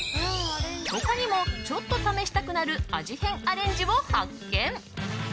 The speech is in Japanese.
他にも、ちょっと試したくなる味変アレンジを発見。